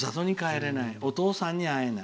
お父さんに会えない。